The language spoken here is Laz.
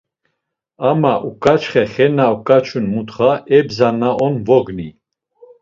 Ama uǩaçxe xe na oǩaçun mutxa, ebza na on vogni.